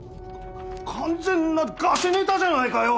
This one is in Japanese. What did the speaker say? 完全なガセネタじゃないかよ！